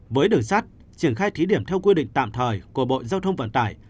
với đường sắt triển khai thí điểm theo quy định tạm thời của bộ giao thông vận tải